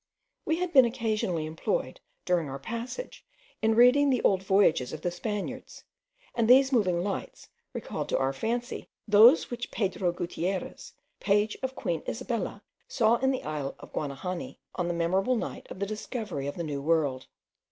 We had been occasionally employed, during our passage, in reading the old voyages of the Spaniards, and these moving lights recalled to our fancy those which Pedro Gutierrez, page of Queen Isabella, saw in the isle of Guanahani, on the memorable night of the discovery of the New World.